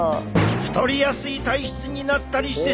太りやすい体質になったりしてしまう！